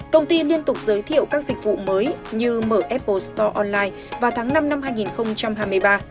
công ty liên tục giới thiệu các dịch vụ mới như m apple store online vào tháng năm năm hai nghìn hai mươi ba